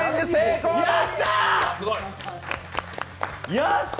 やった！